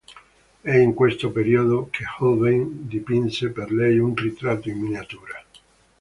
È in questo periodo che Holbein dipinse per lei un ritratto in miniatura.